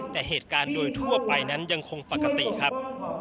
แต่เหตุการณ์โดยทั่วไปนั้นยังคงปกติครับ